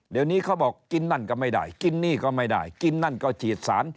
เดี๋ยวนี้เขาบอกกินนั่นก็ไม่ได้กินนี่ก็ไม่ได้กินนั่นก็ฉีดสาร